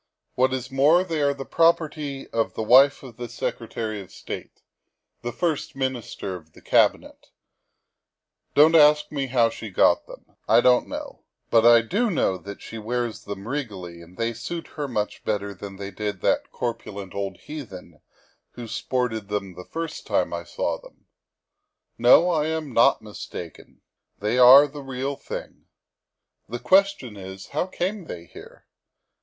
What is more, they are the property of the wife of the Secretary of State (the First Minister of the Cabinet ). Don't ask me how she got them. I don't know. But I do know she wears them regally and they suit her much better than they did that corpulent old heathen who sported them the first time I saw them. No, I am not mistaken. They are the real thing. The question is, how came they here?